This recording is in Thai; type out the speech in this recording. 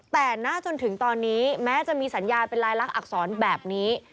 แต่หน้าจนถึงตอนนี้แม้จะมีสัญญาเป็นลายลักษรแบบนี้